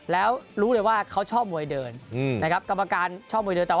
แล้วรู้เลยว่าเขาชอบมวยเดินนะครับกรรมการชอบมวยเดินต่อ